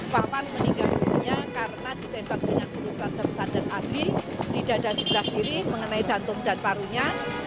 bawan meninggal dunia karena ditembak dengan burung tajam standar adli di dada sebelah kiri mengenai jantung dan parunya